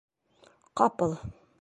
Ҡапыл: